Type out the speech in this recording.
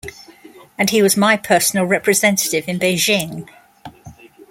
And he was my personal representative in Beijing.